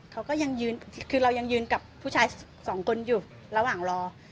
เขาก็ยังยืนคือเรายังยืนกับผู้ชายสองคนอยู่ระหว่างรอ